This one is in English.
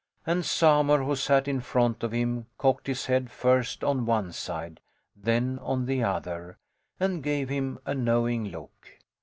And Samur, who sat in front of him, cocked his head first on one side, then on the other, and gave him a knowing look.